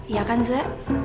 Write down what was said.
iya kan zek